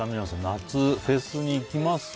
夏フェスに行きますか？